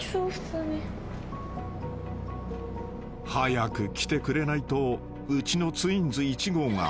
［早く来てくれないとうちのツインズ］